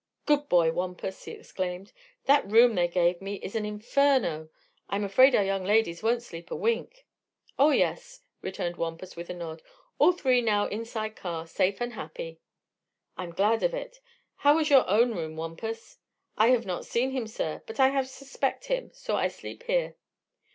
"Good boy, Wampus!" he exclaimed. "That room they gave me is an inferno. I'm afraid our young ladies won't sleep a wink." "Oh, yes," returned Wampus with a nod; "all three now inside car, safe an' happy." "I'm glad of it. How was your own room, Wampus?" "I have not seen him, sir. But I have suspect him; so I sleep here."